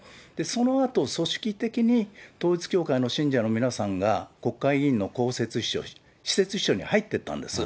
そのあと、組織的に統一教会の信者の皆さんが国会議員の公設秘書、私設秘書に入っていったんです。